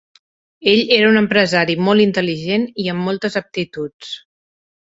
Ell era un empresari molt intel·ligent i amb moltes aptituds.